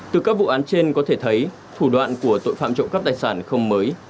từ các vụ án trên có thể thấy thủ đoạn của tội phạm trộm cắp tài sản không mới